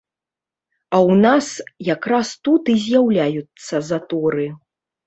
А ў нас якраз тут і з'яўляюцца заторы.